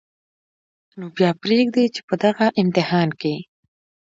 نو بیا پرېږدئ چې په دغه امتحان کې